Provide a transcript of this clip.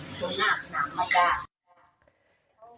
บึงหน้าถนังมาก่อน